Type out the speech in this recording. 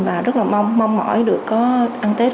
và rất là mong mỏi được có ăn tết